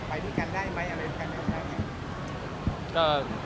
ไปด้วยกันได้มั้ย